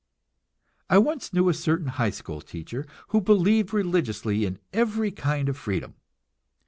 I once knew a certain high school teacher, who believed religiously in every kind of freedom.